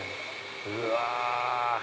うわ！